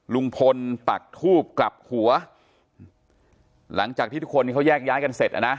ลุงพลปักทูบกลับหัวหลังจากที่ทุกคนเขาแยกย้ายกันเสร็จนะ